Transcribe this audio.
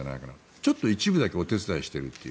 ちょっと一部だけお手伝いしているという。